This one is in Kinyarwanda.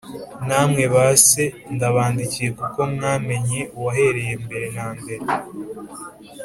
Namwe ba se, ndabandikiye kuko mwamenye uwahereye mbere na mbere.